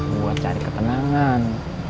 buat cari ketenangan